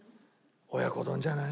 「親子丼じゃない？